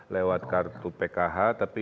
lewat kartu pkh tapi